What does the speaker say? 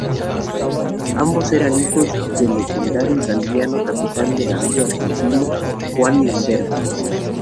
Ambos eran hijos del legionario italiano y capitán de navío argentino Juan Lamberti.